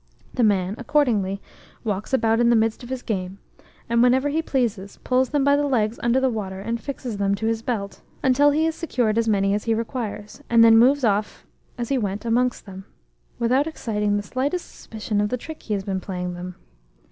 The man, accordingly, walks about in the midst of his game, and, whenever he pleases, pulls them by the legs under the water, and fixes them to his belt, until he has secured as many as he requires, and then moves off as he went amongst them, without exciting the slightest suspicion of the trick he has been playing them.